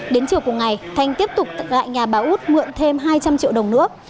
đến chiều cùng ngày thanh tiếp tục gại nhà bà út mượn thêm hai trăm linh triệu đồng nữa